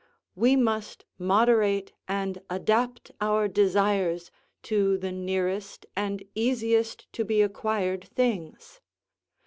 We must moderate and adapt our desires to the nearest and easiest to be acquired things.